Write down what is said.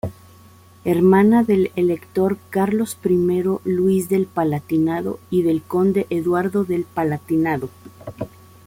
Hermana del elector Carlos I Luis del Palatinado y del conde Eduardo del Palatinado.